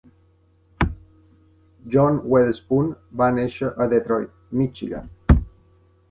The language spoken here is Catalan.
John Weatherspoon va néixer a Detroit, Michigan.